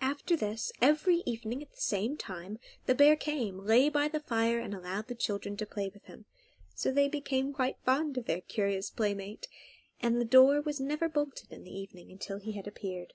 After this, every evening at the same time the bear came, lay by the fire, and allowed the children to play with him; so they became quite fond of their curious playmate, and the door was not ever bolted in the evening until he had appeared.